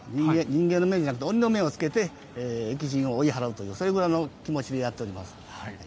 人間の面じゃなくて鬼の面をつけて疫神を追い払うという気持ちでやっております。